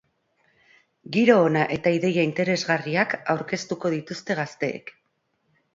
Giro ona eta ideia interesgarriak aurkeztuko dituzte gazteek.